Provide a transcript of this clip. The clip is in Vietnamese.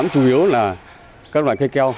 chủ yếu là các loại cây keo